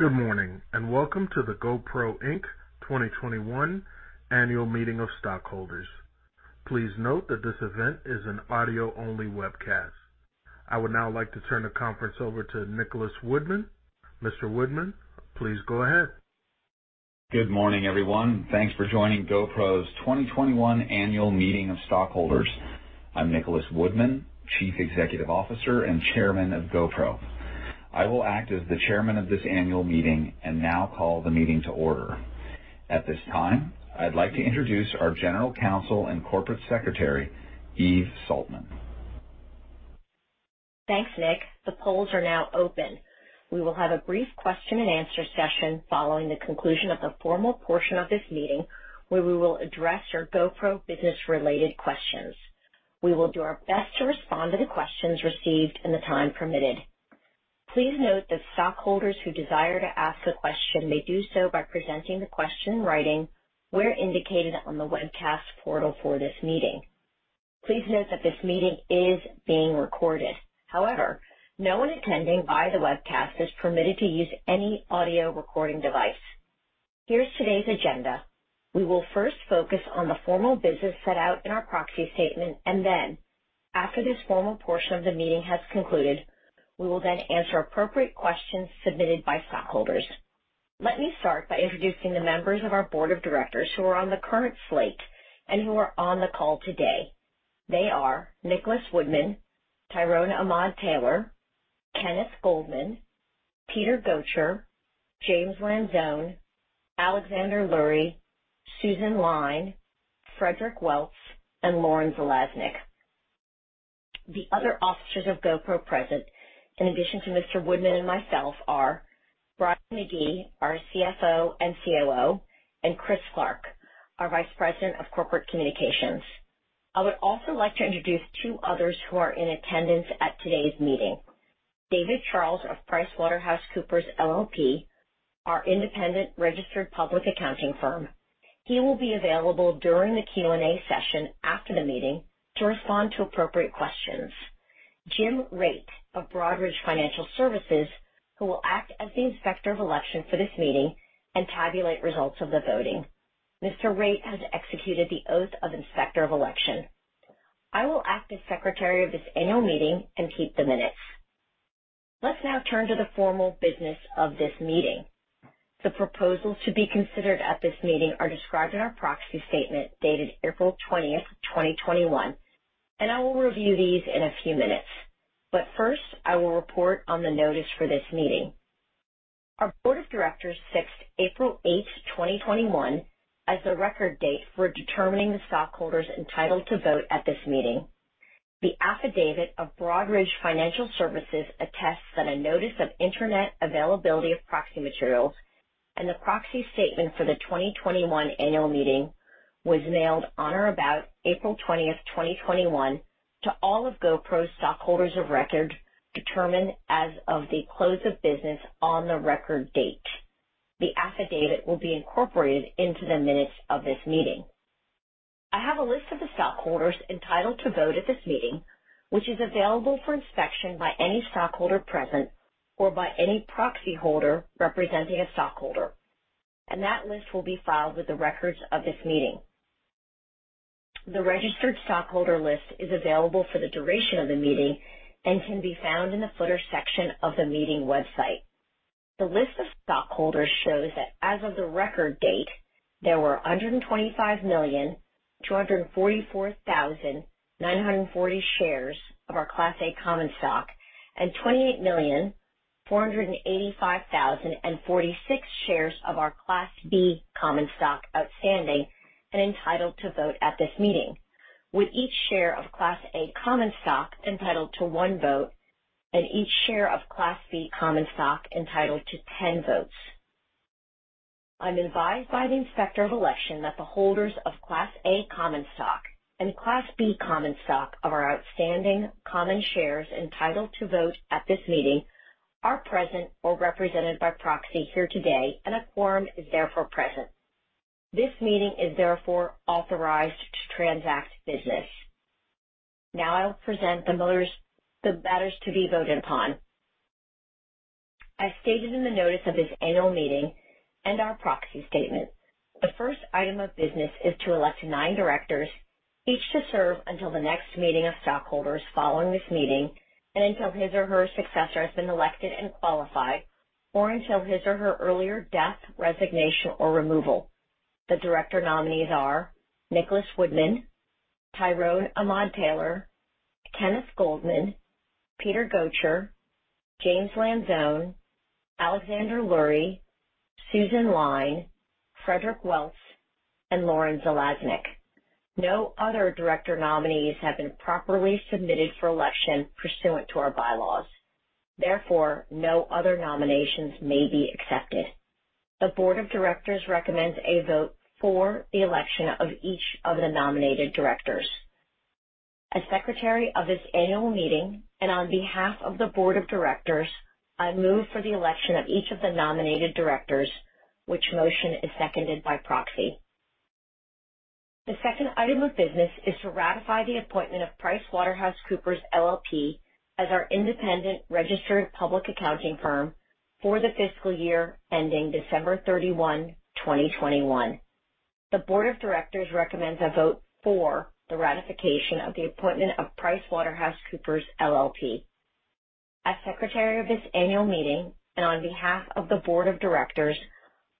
Good morning, and welcome to the GoPro 2021 Annual Meeting of Stockholders. Please note that this event is an audio-only webcast. I would now like to turn the conference over to Nicholas Woodman. Mr. Woodman, please go ahead. Good morning, everyone. Thanks for joining GoPro's 2021 Annual Meeting of Stockholders. I'm Nicholas Woodman, Chief Executive Officer and Chairman of GoPro. I will act as the Chairman of this Annual Meeting and now call the meeting to order. At this time, I'd like to introduce our General Counsel and Corporate Secretary, Eve Saltman. Thanks, Nick. The polls are now open. We will have a brief question-and-answer session following the conclusion of the formal portion of this meeting, where we will address your GoPro business-related questions. We will do our best to respond to the questions received and the time permitted. Please note that stockholders who desire to ask a question may do so by presenting the question in writing where indicated on the webcast portal for this meeting. Please note that this meeting is being recorded. However, no one attending by the webcast is permitted to use any audio recording device. Here is today's agenda. We will first focus on the formal business set out in our proxy statement, and then, after this formal portion of the meeting has concluded, we will then answer appropriate questions submitted by stockholders. Let me start by introducing the members of our Board of Directors who are on the current slate and who are on the call today. They are Nicholas Woodman, Tyrone Ahmad-Taylor, Kenneth Goldman, Peter Gotcher, James Lanzone, Alexander Lurie, Susan L. Taylor, Frederic B. Welts, and Lauren Zalaznick. The other officers of GoPro present, in addition to Mr. Woodman and myself, are Brian McGee, our CFO and COO, and Chris Clark, our Vice President of Corporate Communications. I would also like to introduce two others who are in attendance at today's meeting: David Charles of PricewaterhouseCoopers LLP, our independent registered public accounting firm. He will be available during the Q&A session after the meeting to respond to appropriate questions. Jim Rait of Broadridge Financial Services, who will act as the Inspector of Election for this meeting and tabulate results of the voting. Mr. Rait has executed the oath of Inspector of Election. I will act as Secretary of this Annual Meeting and keep the minutes. Let's now turn to the formal business of this meeting. The proposals to be considered at this meeting are described in our proxy statement dated April 20th, 2021, and I will review these in a few minutes. First, I will report on the notice for this meeting. Our Board of Directors fixed April 8th, 2021, as the record date for determining the stockholders entitled to vote at this meeting. The affidavit of Broadridge Financial Services attests that a notice of internet availability of proxy materials and the proxy statement for the 2021 Annual Meeting was mailed on or about April 20th, 2021, to all of GoPro's stockholders of record determined as of the close of business on the record date. The affidavit will be incorporated into the minutes of this meeting. I have a list of the stockholders entitled to vote at this meeting, which is available for inspection by any stockholder present or by any proxy holder representing a stockholder, and that list will be filed with the records of this meeting. The registered stockholder list is available for the duration of the meeting and can be found in the footer section of the meeting website. The list of stockholders shows that as of the record date, there were 125,244,940 shares of our Class A Common Stock and 28,485,046 shares of our Class B Common Stock outstanding and entitled to vote at this meeting, with each share of Class A Common Stock entitled to one vote and each share of Class B Common Stock entitled to 10 votes. I'm advised by the Inspector of Election that the holders of Class A Common Stock and Class B Common Stock of our outstanding common shares entitled to vote at this meeting are present or represented by proxy here today, and a quorum is therefore present. This meeting is therefore authorized to transact business. Now I'll present the matters to be voted upon. As stated in the notice of this Annual Meeting and our proxy statement, the first item of business is to elect nine directors, each to serve until the next meeting of stockholders following this meeting and until his or her successor has been elected and qualified, or until his or her earlier death, resignation, or removal. The director nominees are Nicholas Woodman, Tyrone Ahmad-Taylor, Kenneth Goldman, Peter Gotcher, James Lanzone, Alexander Lurie, Susan L. Taylor, Frederic B. Welts, and Lauren Zalaznick. No other director nominees have been properly submitted for election pursuant to our bylaws. Therefore, no other nominations may be accepted. The Board of Directors recommends a vote for the election of each of the nominated directors. As Secretary of this Annual Meeting and on behalf of the Board of Directors, I move for the election of each of the nominated directors, which motion is seconded by proxy. The second item of business is to ratify the appointment of PricewaterhouseCoopers LLP as our independent registered public accounting firm for the fiscal year ending December 31, 2021. The Board of Directors recommends a vote for the ratification of the appointment of PricewaterhouseCoopers LLP. As Secretary of this Annual Meeting and on behalf of the Board of Directors,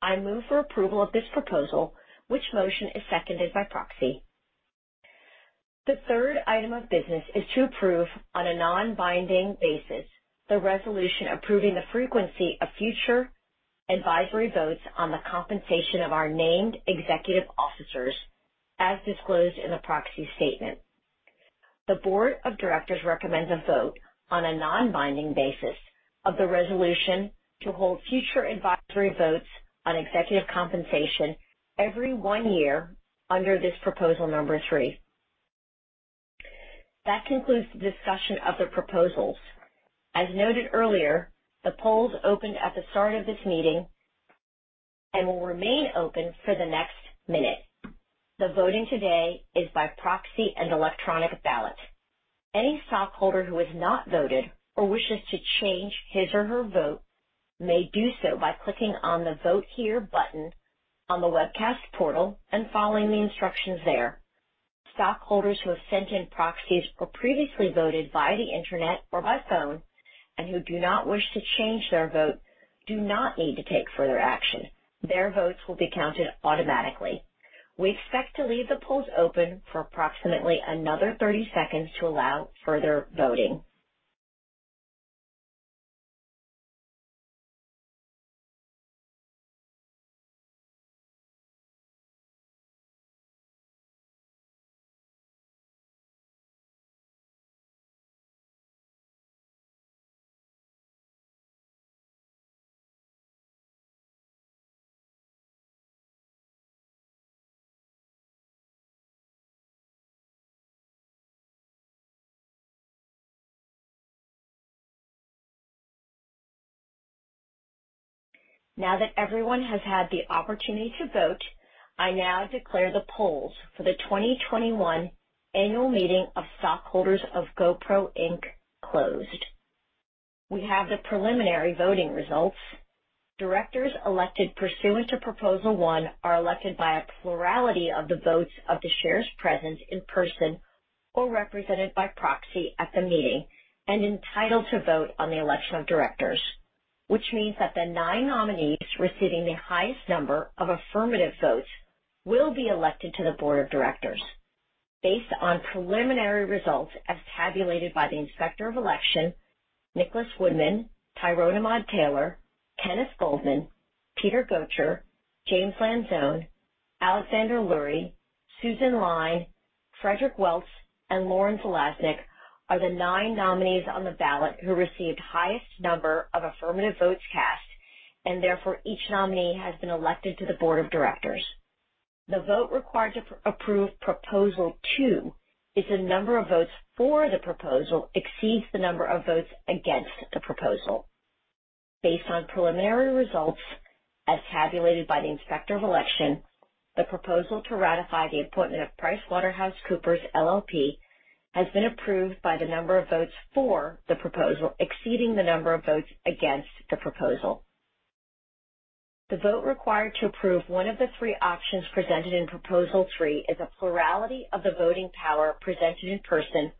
I move for approval of this proposal, which motion is seconded by proxy. The third item of business is to approve on a non-binding basis the resolution approving the frequency of future advisory votes on the compensation of our named executive officers, as disclosed in the proxy statement. The Board of Directors recommends a vote on a non-binding basis of the resolution to hold future advisory votes on executive compensation every one year under this Proposal Number 3. That concludes the discussion of the proposals. As noted earlier, the polls opened at the start of this meeting and will remain open for the next minute. The voting today is by proxy and electronic ballot. Any stockholder who has not voted or wishes to change his or her vote may do so by clicking on the Vote Here button on the webcast portal and following the instructions there. Stockholders who have sent in proxies or previously voted via the internet or by phone and who do not wish to change their vote do not need to take further action. Their votes will be counted automatically. We expect to leave the polls open for approximately another 30 seconds to allow further voting. Now that everyone has had the opportunity to vote, I now declare the polls for the 2021 Annual Meeting of Stockholders of GoPro closed. We have the preliminary voting results. Directors elected pursuant to Proposal 1 are elected by a plurality of the votes of the shares present in person or represented by proxy at the meeting and entitled to vote on the election of directors, which means that the nine nominees receiving the highest number of affirmative votes will be elected to the Board of Directors. Based on preliminary results as tabulated by the Inspector of Election, Nicholas Woodman, Tyrone Ahmad-Taylor, Kenneth Goldman, Peter Gotcher, James Lanzone, Alexander Lurie, Susan L. Taylor, Frederic B. Welts, and Lauren Zalaznick are the nine nominees on the ballot who received the highest number of affirmative votes cast, and therefore each nominee has been elected to the Board of Directors. The vote required to approve Proposal 2 is the number of votes for the proposal exceeds the number of votes against the proposal. Based on preliminary results as tabulated by the Inspector of Election, the proposal to ratify the appointment of PricewaterhouseCoopers LLP has been approved by the number of votes for the proposal exceeding the number of votes against the proposal. The vote required to approve one of the three options presented in Proposal 3 is a plurality of the voting power present in person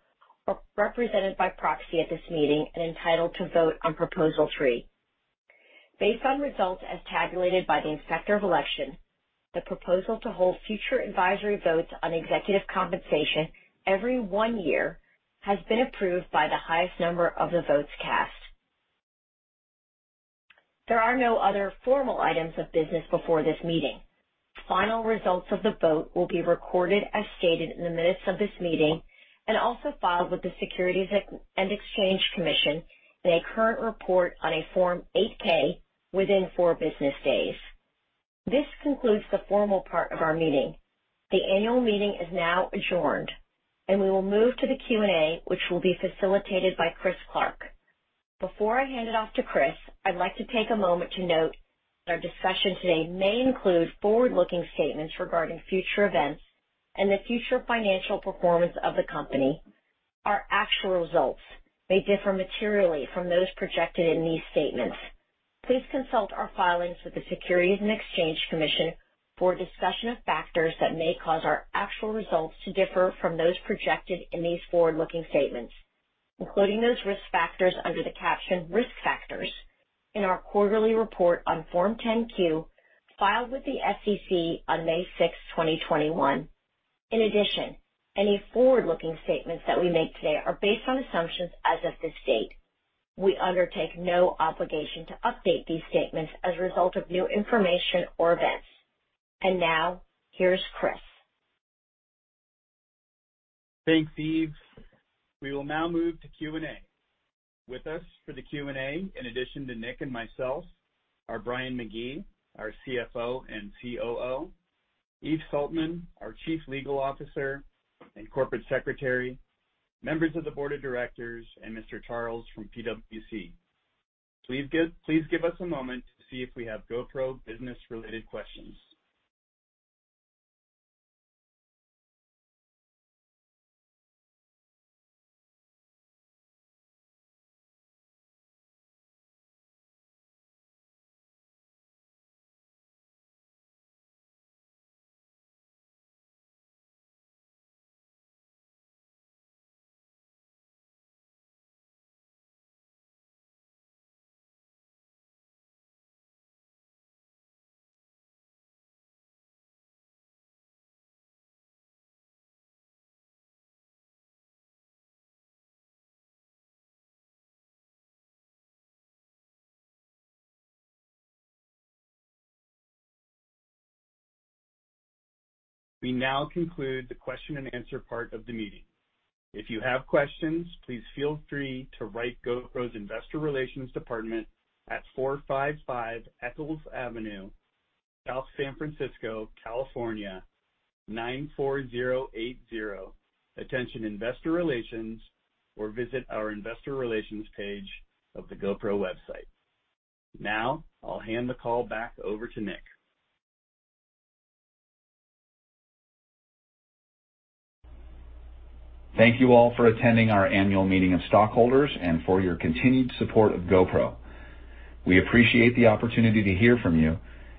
or represented by proxy at this meeting and entitled to vote on Proposal 3. Based on results as tabulated by the Inspector of Election, the proposal to hold future advisory votes on executive compensation every one year has been approved by the highest number of the votes cast. There are no other formal items of business before this meeting. Final results of the vote will be recorded as stated in the minutes of this meeting and also filed with the Securities and Exchange Commission in a current report on a Form 8-K within four business days. This concludes the formal part of our meeting. The Annual Meeting is now adjourned, and we will move to the Q&A, which will be facilitated by Chris Clark. Before I hand it off to Chris, I'd like to take a moment to note that our discussion today may include forward-looking statements regarding future events and the future financial performance of the company. Our actual results may differ materially from those projected in these statements. Please consult our filings with the Securities and Exchange Commission for discussion of factors that may cause our actual results to differ from those projected in these forward-looking statements, including those risk factors under the caption Risk Factors in our quarterly report on Form 10-Q filed with the SEC on May 6, 2021. In addition, any forward-looking statements that we make today are based on assumptions as of this date. We undertake no obligation to update these statements as a result of new information or events. Now, here's Chris. Thanks, Eve. We will now move to Q&A. With us for the Q&A, in addition to Nick and myself, are Brian McGee, our CFO and COO, Eve Saltman, our Chief Legal Officer and Corporate Secretary, members of the Board of Directors, and Mr. Charles from PricewaterhouseCoopers. Please give us a moment to see if we have GoPro business-related questions. We now conclude the question-and-answer part of the meeting. If you have questions, please feel free to write GoPro's Investor Relations Department at 455 Echols Avenue, South San Francisco, California 94080, attention Investor Relations, or visit our Investor Relations page of the GoPro website. Now I'll hand the call back over to Nick. Thank you all for attending our Annual Meeting of Stockholders and for your continued support of GoPro. We appreciate the opportunity to hear from you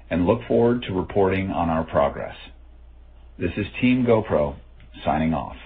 and look forward to reporting on our progress. This is Team GoPro signing off.